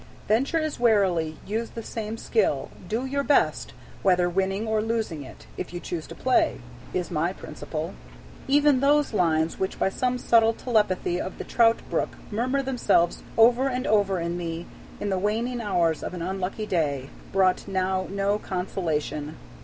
"Venture as warily, use the same skill, Do your best, whether winning or losing it, If you choose to play! is my principle." Even those lines, which by some subtle telepathy of the trout brook murmur themselves over and over to me in the waning hours of an unlucky day, brought now no consolation.